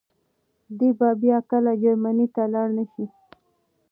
دی به بيا کله جرمني ته لاړ نه شي.